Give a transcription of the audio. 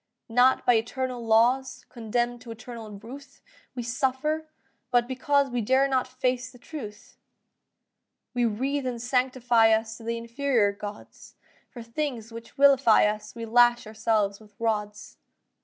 Not by eternal laws Condemn'd to eternal ruth, We suffer; but because We dare not face the truth. We wreath and sanctify us To the inferior gods; For things which vilify us We lash ourselves with rods.